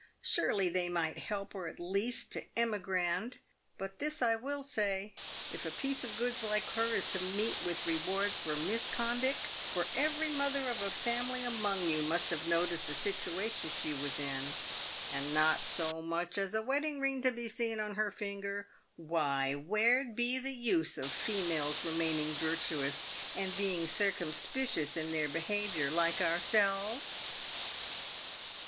Surely they might help her at least to emigrand. But this I will say, if a piece of goods like her is to meet with re wards for miscondick — for every mother of a family among you must have noticed the situation she was in, and not so much as a wedding ring to be seen on her finger — why, where'd be the use of females remaining virtuous and being circumspicious in their behaviour, like oiirselves